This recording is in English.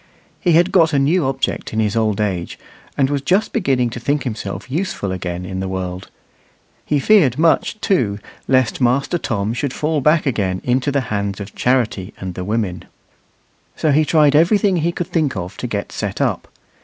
He had got a new object in his old age, and was just beginning to think himself useful again in the world. He feared much, too, lest Master Tom should fall back again into the hands of Charity and the women. So he tried everything he could think of to get set up.